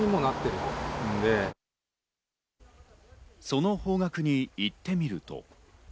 その方角に行ってみると。